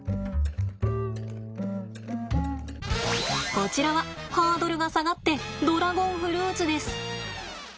こちらはハードルが下がってドラゴンフルーツです。